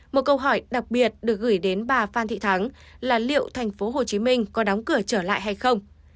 một câu hỏi đặc biệt được gửi đến bà phan thị thắng là liệu tp hcm có đóng cửa trở lại hay không